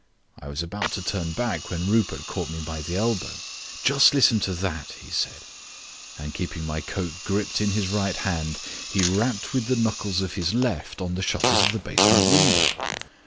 I was just about to turn back when Rupert caught me by the elbow. "Just listen to that," he said, and keeping my coat gripped in his right hand, he rapped with the knuckles of his left on the shutters of the basement window.